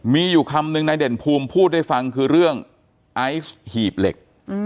มีอยู่คำนึงนายเด่นภูมิพูดให้ฟังคือเรื่องไอซ์หีบเหล็ก